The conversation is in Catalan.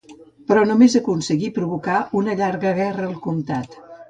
Però només aconseguí provocar una llarga guerra al comtat.